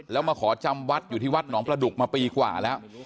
แล้วมาขอจำวัดอยู่ที่วัดหนองประดุกมาปีกว่าแล้ว